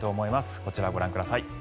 こちらご覧ください。